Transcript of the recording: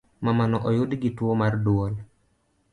Mamano oyudgi tuo mar duol